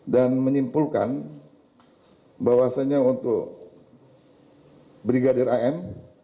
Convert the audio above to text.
dan menyimpulkan bahwasanya untuk brigadir am